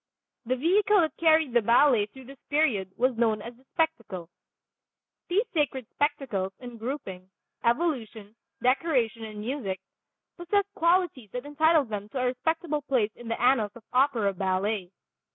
The vehicle that carried the ballet through this period was known as the "spectacle." These sacred spectacles, in grouping, evolution, decoration and music, possessed qualities that entitle them to a respectable place in the annals of opera ballet.